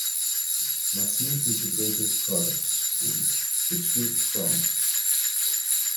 Maxim Integrated Products, Inc., retrieved from